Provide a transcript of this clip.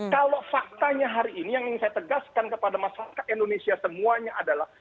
kalau faktanya hari ini yang ingin saya tegaskan kepada masyarakat indonesia semuanya adalah